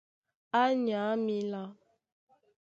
Á nyǎ mǐlá.